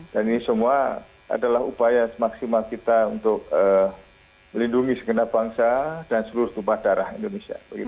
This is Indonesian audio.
dan ini semua adalah upaya maksimal kita untuk melindungi segenap bangsa dan seluruh tumpah darah indonesia